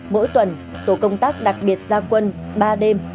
mỗi tuần tổ công tác đặc biệt ra quân ba đêm